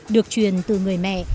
được truyền từ người mẹ